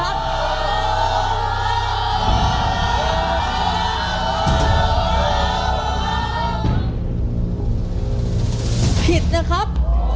โอ้โหผิดกินหมดเลย